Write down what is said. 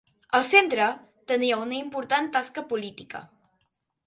El Centre tenia una important tasca política.